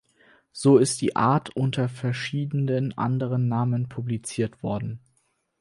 So ist die Art unter verschiedenen anderen Namen publiziert worden.